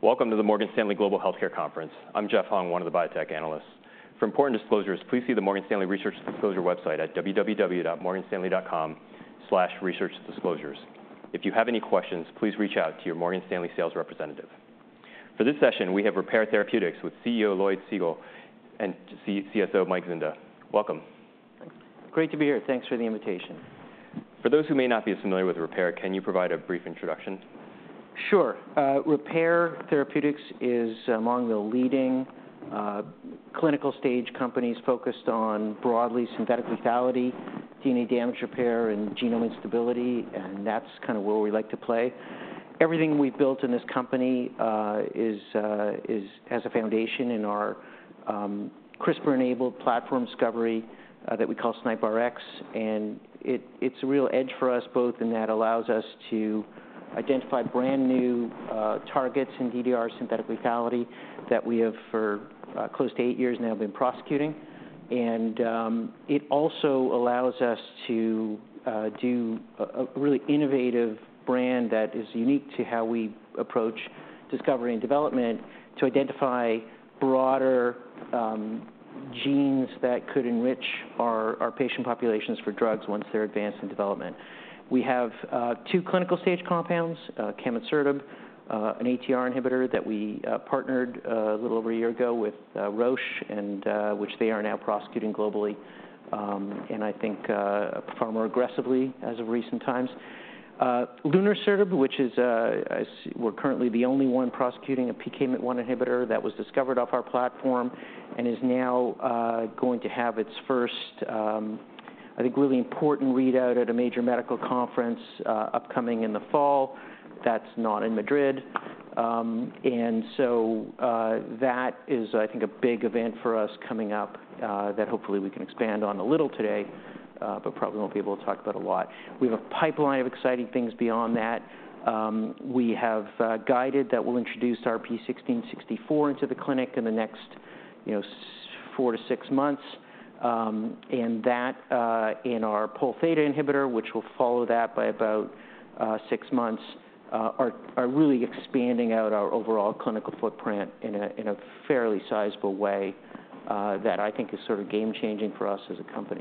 Welcome to the Morgan Stanley Global Healthcare Conference. I'm Jeffrey Hung, one of the biotech analysts. For important disclosures, please see the Morgan Stanley Research Disclosure website at www.morganstanley.com/researchdisclosures. If you have any questions, please reach out to your Morgan Stanley sales representative. For this session, we have Repare Therapeutics with CEO Lloyd Segal and CSO Mike Zinda. Welcome. Great to be here. Thanks for the invitation. For those who may not be as familiar with Repare, can you provide a brief introduction? Sure. Repare Therapeutics is among the leading, clinical stage companies focused on broadly synthetic lethality, DNA damage repair, and genome instability, and that's kind of where we like to play. Everything we've built in this company, is has a foundation in our, CRISPR-enabled platform discovery, that we call SNIPRx. And it, it's a real edge for us both, and that allows us to identify brand-new, targets in DDR synthetic lethality that we have for, close to eight years now been prosecuting. And, it also allows us to, do a really innovative brand that is unique to how we approach discovery and development to identify broader, genes that could enrich our patient populations for drugs once they're advanced in development. We have two clinical stage compounds, camonsertib, an ATR inhibitor that we partnered a little over a year ago with Roche and which they are now prosecuting globally, and I think far more aggressively as of recent times. Lunresertib, which is we're currently the only one prosecuting a PKMYT1 inhibitor that was discovered off our platform and is now going to have its first, I think, really important readout at a major medical conference upcoming in the fall. That's not in Madrid. That is, I think, a big event for us coming up, that hopefully we can expand on a little today, but probably won't be able to talk about a lot. We have a pipeline of exciting things beyond that. We have guided that we'll introduce RP-1664 into the clinic in the next, you know, four to six months. And that, and our Polθ inhibitor, which will follow that by about six months, are really expanding out our overall clinical footprint in a fairly sizable way, that I think is sort of game-changing for us as a company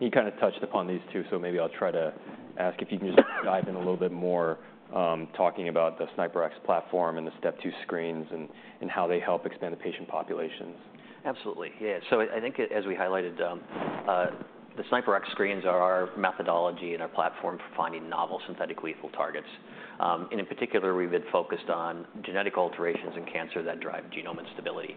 You kind of touched upon these two, so maybe I'll try to ask if you can just dive in a little bit more, talking about the SNIPRx platform and the step two screens and how they help expand the patient populations. Absolutely. Yeah. So I think as we highlighted, the SNIPRx screens are our methodology and our platform for finding novel synthetic lethal targets. And in particular, we've been focused on genetic alterations in cancer that drive genome instability,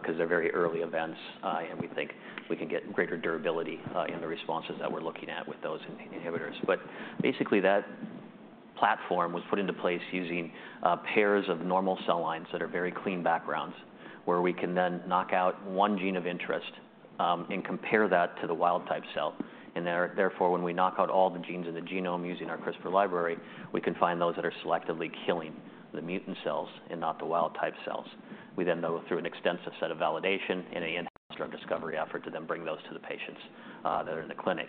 because they're very early events, and we think we can get greater durability, in the responses that we're looking at with those inhibitors. But basically, that platform was put into place using pairs of normal cell lines that are very clean backgrounds, where we can then knock out one gene of interest, and compare that to the wild type cell. Therefore, when we knock out all the genes in the genome using our CRISPR library, we can find those that are selectively killing the mutant cells and not the wild-type cells. We then go through an extensive set of validation in a discovery effort to then bring those to the patients that are in the clinic.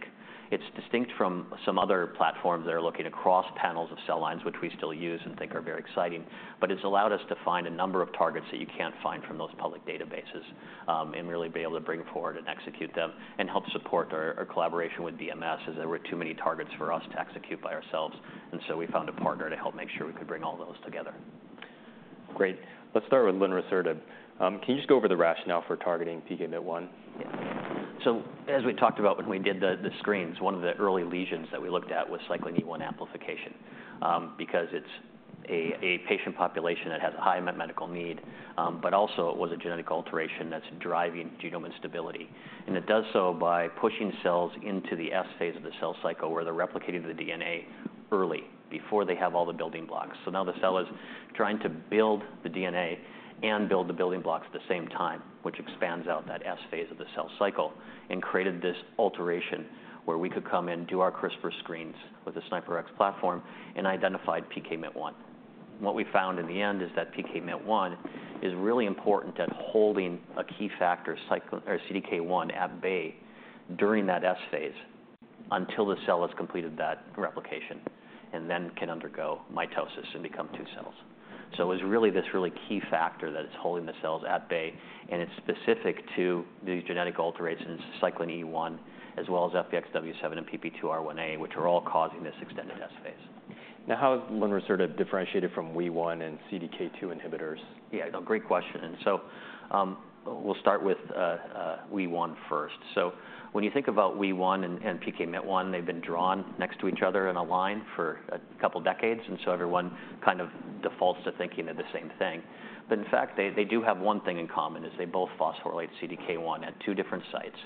It's distinct from some other platforms that are looking across panels of cell lines, which we still use and think are very exciting, but it's allowed us to find a number of targets that you can't find from those public databases, and really be able to bring forward and execute them and help support our collaboration with BMS, as there were too many targets for us to execute by ourselves, and so we found a partner to help make sure we could bring all those together. Great. Let's start with lunresertib. Can you just go over the rationale for targeting PKMYT1? Yeah. So as we talked about when we did the screens, one of the early lesions that we looked at was cyclin E1 amplification, because it's a patient population that has a high medical need, but also it was a genetic alteration that's driving genome instability. And it does so by pushing cells into the S phase of the cell cycle, where they're replicating the DNA early before they have all the building blocks. So now the cell is trying to build the DNA and build the building blocks at the same time, which expands out that S-phase of the cell cycle and created this alteration where we could come in, do our CRISPR screens with the SNIPRx platform and identified PKMYT1. What we found in the end is that PKMYT1 is really important at holding a key factor, Cyclin B-CDK1, at bay during that S phase until the cell has completed that replication and then can undergo mitosis and become two cells. So it was really this really key factor that it's holding the cells at bay, and it's specific to these genetic alterations, cyclin E1, as well as FBXW7 and PPP2R1A, which are all causing this extended S phase. Now, how is lunresertib differentiated from WEE1 and CDK2 inhibitors? Yeah, a great question.... So, we'll start with WEE1 first. So when you think about WEE1 and PKMYT1, they've been drawn next to each other in a line for a couple decades, and so everyone kind of defaults to thinking they're the same thing. But in fact, they do have one thing in common, is they both phosphorylate CDK1 at two different sites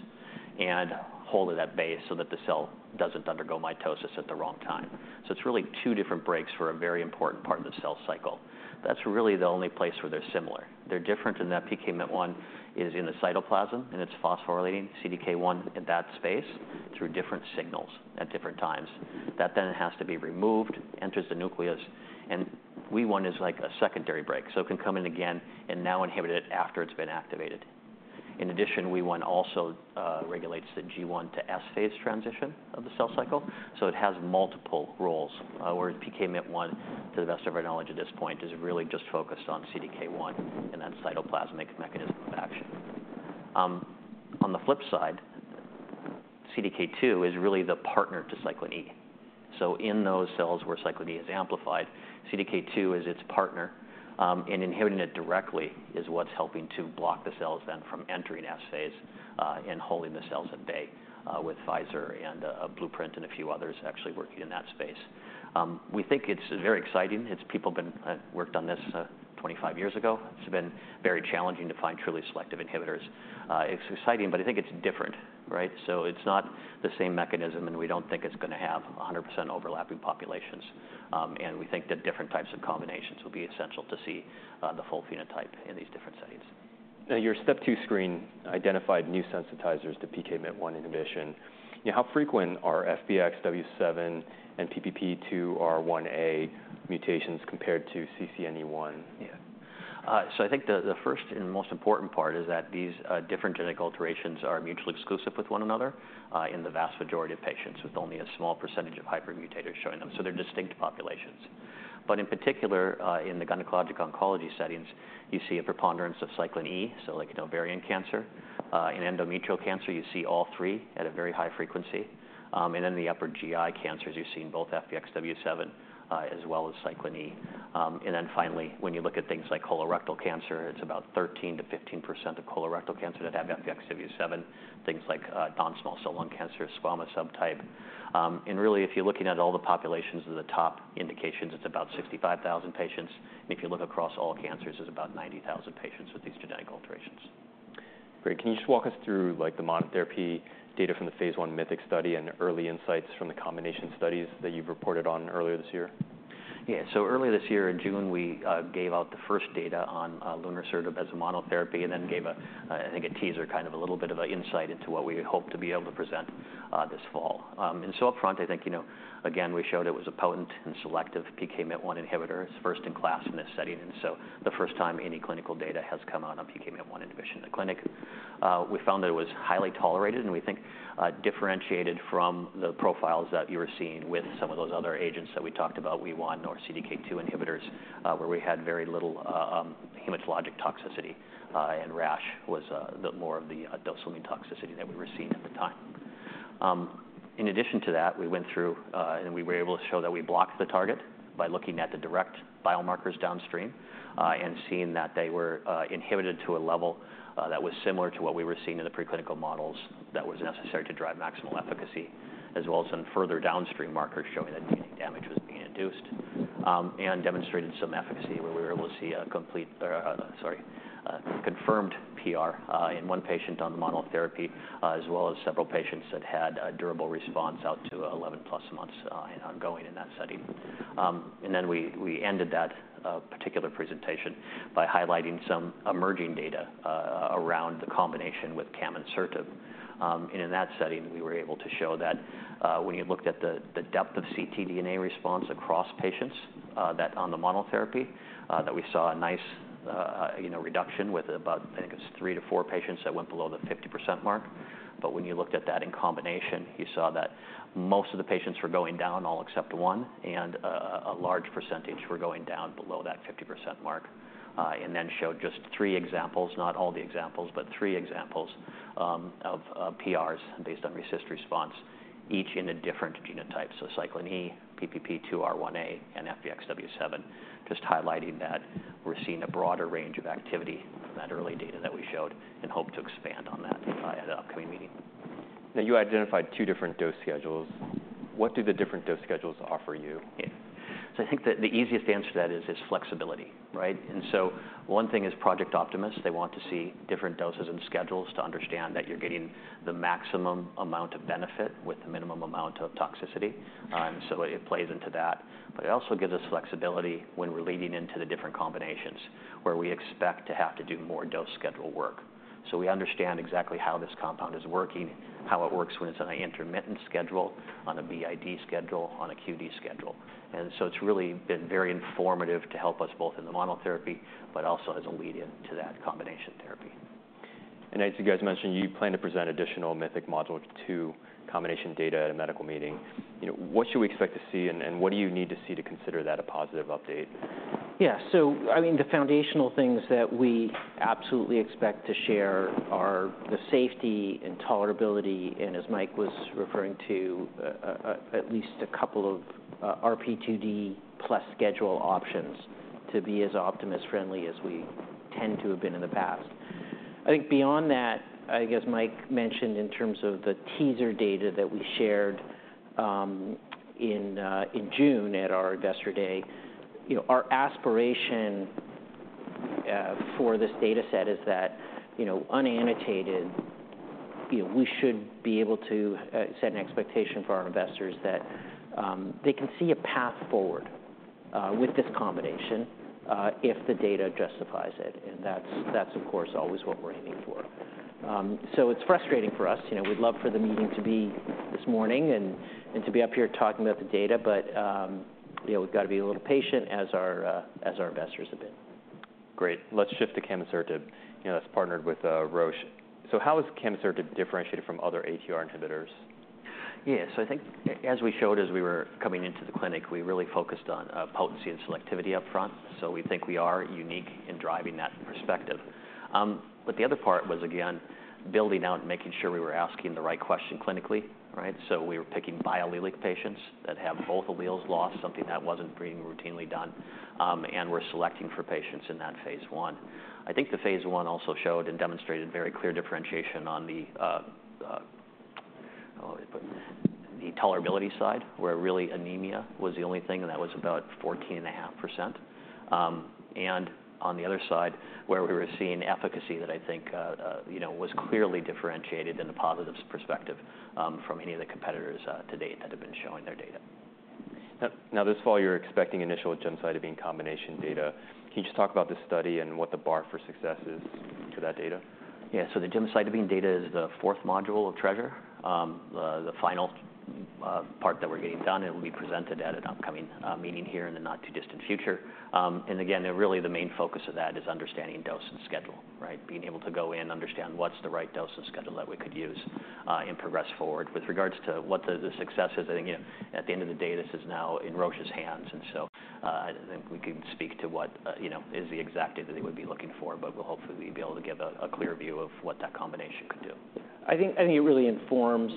and hold it at bay so that the cell doesn't undergo mitosis at the wrong time. So it's really two different breaks for a very important part of the cell cycle. That's really the only place where they're similar. They're different in that PKMYT1 is in the cytoplasm, and it's phosphorylating CDK1 in that space through different signals at different times. That then has to be removed, enters the nucleus, and WEE1 is like a secondary break, so it can come in again and now inhibit it after it's been activated. In addition, WEE1 also regulates the G1 to S-phase transition of the cell cycle, so it has multiple roles. Whereas PKMYT1, to the best of our knowledge at this point, is really just focused on CDK1 and that cytoplasmic mechanism of action. On the flip side, CDK2 is really the partner to cyclin E. So in those cells where cyclin E is amplified, CDK2 is its partner, and inhibiting it directly is what's helping to block the cells then from entering S-phase, and holding the cells at bay, with Pfizer and, Blueprint and a few others actually working in that space. We think it's very exciting. It's people been worked on this 25 years ago. It's been very challenging to find truly selective inhibitors. It's exciting, but I think it's different, right? So it's not the same mechanism, and we don't think it's gonna have 100% overlapping populations. And we think that different types of combinations will be essential to see the full phenotype in these different settings. Now, your step two screen identified new sensitizers to PKMYT1 inhibition. How frequent are FBXW7 and PPP2R1A mutations compared to CCNE1? So I think the first and most important part is that these different genetic alterations are mutually exclusive with one another in the vast majority of patients, with only a small percentage of hypermutators showing them. So they're distinct populations. But in particular in the gynecologic oncology settings, you see a preponderance of cyclin E, so like in ovarian cancer. In endometrial cancer, you see all three at a very high frequency. And in the upper GI cancers, you're seeing both FBXW7 as well as cyclin E. And then finally, when you look at things like colorectal cancer, it's about 13%-15% of colorectal cancer that have FBXW7, things like non-small cell lung cancer, squamous subtype. And really, if you're looking at all the populations of the top indications, it's about 65,000 patients. If you look across all cancers, it's about 90,000 patients with these genetic alterations. Great. Can you just walk us through, like, the monotherapy data from the phase I MYTHIC study and early insights from the combination studies that you've reported on earlier this year? Yeah. So earlier this year, in June, we gave out the first data on lunresertib as a monotherapy and then gave a, I think a teaser, kind of a little bit of an insight into what we hope to be able to present this fall. And so up front, I think, you know, again, we showed it was a potent and selective PKMYT1 inhibitor. It's first in class in this setting, and so the first time any clinical data has come out on PKMYT1 inhibition in the clinic. We found that it was highly tolerated, and we think, differentiated from the profiles that you were seeing with some of those other agents that we talked about, WEE1 or CDK2 inhibitors, where we had very little, hematologic toxicity, and rash was, the more of the dose-limiting toxicity that we were seeing at the time. In addition to that, we went through, and we were able to show that we blocked the target by looking at the direct biomarkers downstream, and seeing that they were, inhibited to a level, that was similar to what we were seeing in the preclinical models that was necessary to drive maximal efficacy, as well as some further downstream markers showing that DNA damage was being induced. And demonstrated some efficacy where we were able to see a complete, or, sorry, a confirmed PR in one patient on the monotherapy, as well as several patients that had a durable response out to 11+ months and ongoing in that study. And then we ended that particular presentation by highlighting some emerging data around the combination with camonsertib. And in that setting, we were able to show that when you looked at the depth of ctDNA response across patients, that on the monotherapy, that we saw a nice, you know, reduction with about, I think it's three to four patients that went below the 50% mark. But when you looked at that in combination, you saw that most of the patients were going down, all except one, and a large percentage were going down below that 50% mark, and then showed just three examples, not all the examples, but three examples, of PRs based on RECIST response, each in a different genotype. So cyclin E, PPP2R1A, and FBXW7, just highlighting that we're seeing a broader range of activity from that early data that we showed and hope to expand on that at an upcoming meeting. Now, you identified two different dose schedules. What do the different dose schedules offer you? Yeah. So I think the, the easiest answer to that is, is flexibility, right? And so one thing is Project Optimist. They want to see different doses and schedules to understand that you're getting the maximum amount of benefit with the minimum amount of toxicity, so it plays into that. But it also gives us flexibility when we're leading into the different combinations, where we expect to have to do more dose schedule work. So we understand exactly how this compound is working, how it works when it's on an intermittent schedule, on a BID schedule, on a QD schedule. And so it's really been very informative to help us both in the monotherapy, but also as a lead-in to that combination therapy. As you guys mentioned, you plan to present additional MYTHIC Module 2 combination data at a medical meeting. You know, what should we expect to see, and what do you need to see to consider that a positive update? Yeah. So, I mean, the foundational things that we absolutely expect to share are the safety and tolerability, and as Mike was referring to, at least a couple of RP2D plus schedule options to be as optimist-friendly as we tend to have been in the past. ... I think beyond that, I guess Mike mentioned in terms of the teaser data that we shared in June at our Investor Day, you know, our aspiration for this data set is that, you know, unannotated, you know, we should be able to set an expectation for our investors that they can see a path forward with this combination if the data justifies it, and that's, of course, always what we're aiming for. So it's frustrating for us. You know, we'd love for the meeting to be this morning and to be up here talking about the data, but, you know, we've got to be a little patient as our investors have been. Great. Let's shift to camonsertib. You know, that's partnered with Roche. So how is camonsertib differentiated from other ATR inhibitors? Yes, so I think as we showed as we were coming into the clinic, we really focused on potency and selectivity upfront. So we think we are unique in driving that perspective. But the other part was, again, building out and making sure we were asking the right question clinically, right? So we were picking biallelic patients that have both alleles lost, something that wasn't being routinely done, and we're selecting for patients in that phase I. I think the phase I also showed and demonstrated very clear differentiation on the how would I put it? The tolerability side, where really anemia was the only thing, and that was about 14.5%. On the other side, where we were seeing efficacy that I think, you know, was clearly differentiated in a positive perspective, from any of the competitors, to date that have been showing their data. Now, this fall, you're expecting initial gemcitabine combination data. Can you just talk about the study and what the bar for success is to that data? Yeah, so the gemcitabine data is the fourth module of TRESR. The final part that we're getting done, it will be presented at an upcoming meeting here in the not-too-distant future. And again, really the main focus of that is understanding dose and schedule, right? Being able to go in, understand what's the right dose and schedule that we could use and progress forward. With regards to what the success is, I think, again, at the end of the day, this is now in Roche's hands, and so I don't think we can speak to what you know is the exact thing that they would be looking for, but we'll hopefully be able to give a clear view of what that combination could do. I think it really informs,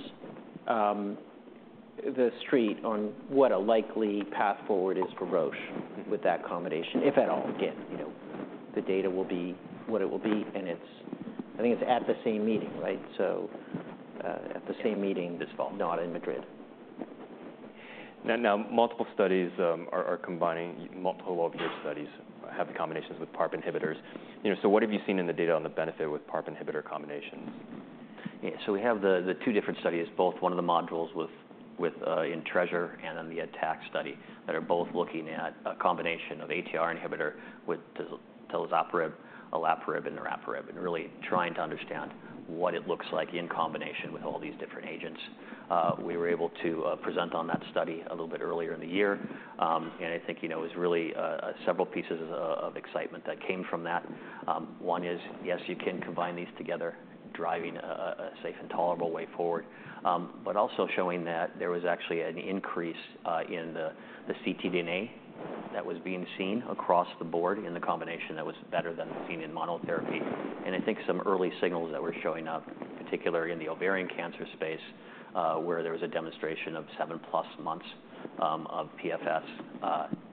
the street on what a likely path forward is for Roche with that combination, if at all. Again, you know, the data will be what it will be, and it's I think it's at the same meeting, right? So, at the same meeting- This fall... not in Madrid. Now, multiple of your studies have combinations with PARP inhibitors. You know, so what have you seen in the data on the benefit with PARP inhibitor combinations? Yeah, so we have the two different studies, both one of the modules within TRESR and then the ATTACC study, that are both looking at a combination of ATR inhibitor with talazoparib, olaparib, and niraparib, and really trying to understand what it looks like in combination with all these different agents. We were able to present on that study a little bit earlier in the year. And I think, you know, it was really several pieces of excitement that came from that. One is, yes, you can combine these together, driving a safe and tolerable way forward. But also showing that there was actually an increase in the ctDNA that was being seen across the board in the combination that was better than seen in monotherapy. I think some early signals that were showing up, particularly in the ovarian cancer space, where there was a demonstration of seven plus months of PFS,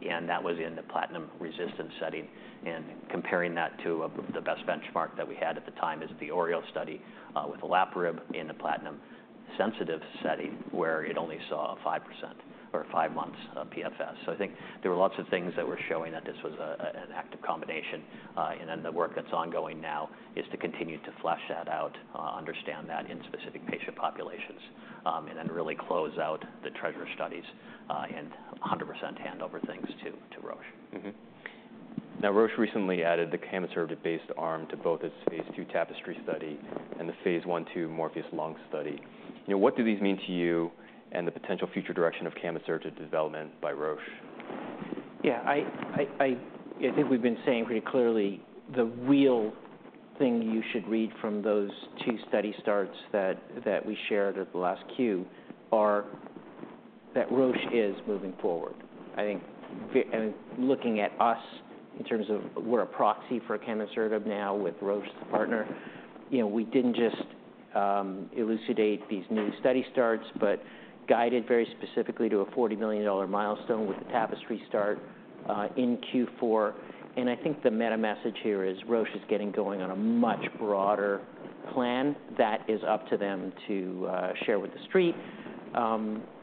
and that was in the platinum-resistant setting. Comparing that to the best benchmark that we had at the time is the ORIOLE study with olaparib in the platinum-sensitive setting, where it only saw a 5% or five months of PFS. So I think there were lots of things that were showing that this was an active combination. And then the work that's ongoing now is to continue to flesh that out, understand that in specific patient populations, and then really close out the TRESR studies, and 100% hand over things to Roche. Mm-hmm. Now, Roche recently added the camonsertib-based arm to both its phase II TAPISTRY study and the phase Ib/II MORPHEUS-Lung study. You know, what do these mean to you and the potential future direction of camonsertib development by Roche? Yeah, I think we've been saying pretty clearly the real thing you should read from those two study starts that we shared at the last Q are that Roche is moving forward. I think and looking at us in terms of we're a proxy for camonsertib now with Roche as the partner, you know, we didn't just elucidate these new study starts, but guided very specifically to a $40 million milestone with the TAPISTRY start in Q4. And I think the meta message here is Roche is getting going on a much broader plan that is up to them to share with the street.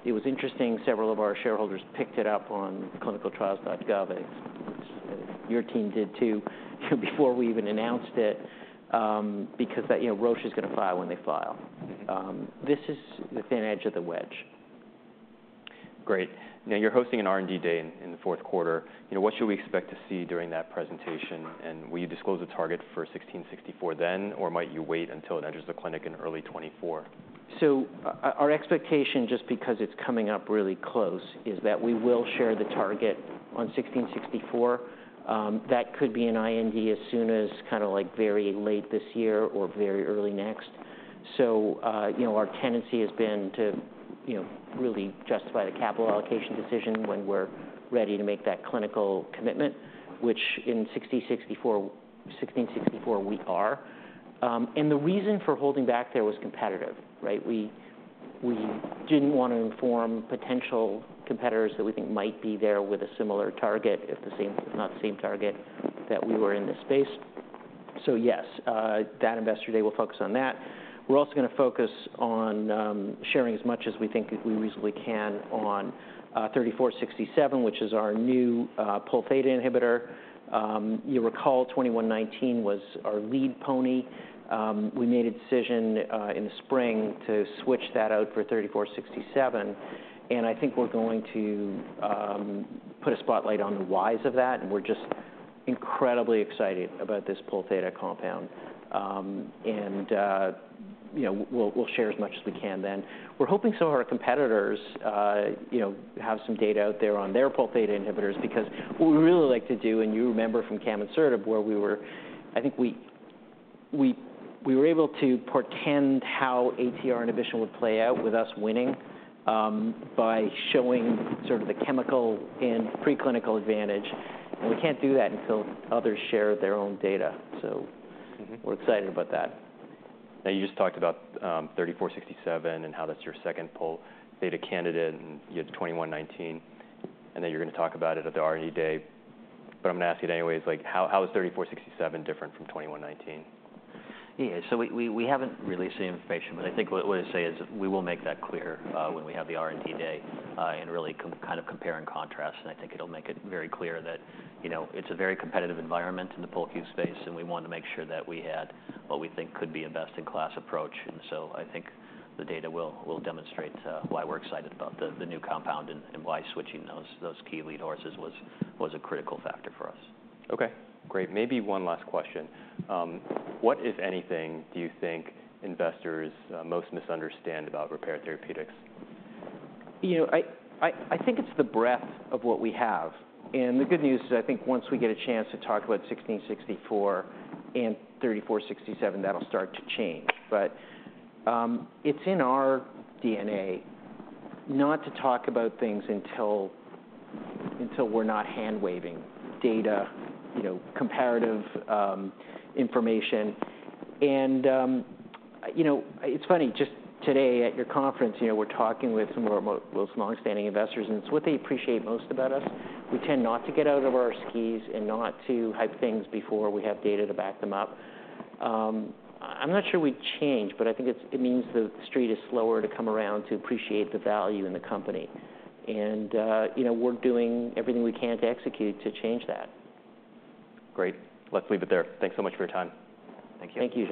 It was interesting, several of our shareholders picked it up on clinicaltrials.gov, and your team did, too, before we even announced it, because that, you know, Roche is going to file when they file. Mm-hmm. This is the thin edge of the wedge. Great. Now, you're hosting an R&D day in the fourth quarter. You know, what should we expect to see during that presentation? And will you disclose a target for 1664 then, or might you wait until it enters the clinic in early 2024? So our expectation, just because it's coming up really close, is that we will share the target on RP-1664. That could be an IND as soon as kind of like very late this year or very early next. So, you know, our tendency has been to, you know, really justify the capital allocation decision when we're ready to make that clinical commitment, which in RP-1664, we are. And the reason for holding back there was competitive, right? We didn't want to inform potential competitors that we think might be there with a similar target, if the same, not the same target, that we were in this space. So yes, that investor day will focus on that. We're also gonna focus on sharing as much as we think we reasonably can on RP-3467, which is our new Polθ inhibitor. You recall, RP-2119 was our lead pony. We made a decision in the spring to switch that out for RP-3467, and I think we're going to put a spotlight on the whys of that, and we're just incredibly excited about this Polθ compound. And you know, we'll share as much as we can then. We're hoping some of our competitors, you know, have some data out there on their Polθ inhibitors, because what we really like to do, and you remember from camonsertib, where we were—I think we were able to portend how ATR inhibition would play out with us winning, by showing sort of the chemical and preclinical advantage, and we can't do that until others share their own data. So- Mm-hmm. We're excited about that. Now, you just talked about RP-3467 and how that's your second Polθ candidate, and you had RP-2119, and that you're gonna talk about it at the R&D day. But I'm gonna ask you anyways, like, how, how is RP-3467 different from RP-2119? Yeah, so we haven't released the information, but I think what I would say is we will make that clear when we have the R&D day and really kind of compare and contrast. And I think it'll make it very clear that, you know, it's a very competitive environment in the POLQ space, and we want to make sure that we had what we think could be a best-in-class approach. And so I think the data will demonstrate why we're excited about the new compound and why switching those key lead horses was a critical factor for us. Okay, great. Maybe one last question. What, if anything, do you think investors most misunderstand about Repare Therapeutics? You know, I think it's the breadth of what we have. And the good news is, I think once we get a chance to talk about RP-1664 and RP-3467, that'll start to change. But, it's in our DNA not to talk about things until we're not hand-waving data, you know, comparative information. And, you know, it's funny, just today at your conference, you know, we're talking with some of our most longstanding investors, and it's what they appreciate most about us. We tend not to get out of our skis and not to hype things before we have data to back them up. I'm not sure we've changed, but I think it's. It means the street is slower to come around to appreciate the value in the company. You know, we're doing everything we can to execute to change that. Great. Let's leave it there. Thanks so much for your time. Thank you.